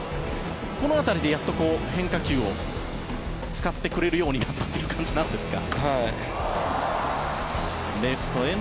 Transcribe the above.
この辺りでやっと変化球を使ってくれるようになったという感じなんですか。